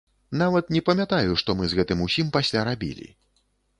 Нават не памятаю, што мы з гэтым усім пасля рабілі.